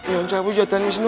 ya enggak waduh den wisnu